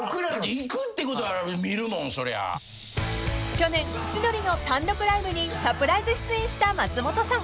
［去年千鳥の単独ライブにサプライズ出演した松本さん］